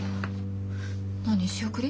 何仕送り？